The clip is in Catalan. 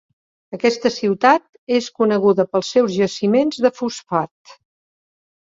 Aquesta ciutat és coneguda pels seus jaciments de fosfat.